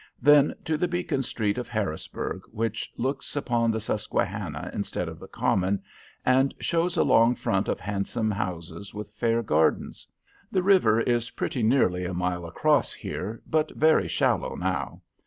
Then to the Beacon Street of Harrisburg, which looks upon the Susquehanna instead of the Common, and shows a long front of handsome houses with fair gardens. The river is pretty nearly a mile across here, but very shallow now.